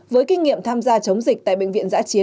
với kinh nghiệm tham gia chống dịch tại bệnh viện giã chiến